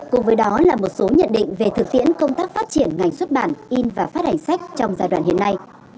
cùng với đó là một số nhận định về thực tiễn công tác phát triển ngành xuất bản in và phát hành sách trong giai đoạn hiện nay